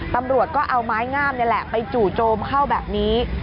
ตำรวจก็เอาไม้งามนี่แหละไปจู่โจมเข้าแบบนี้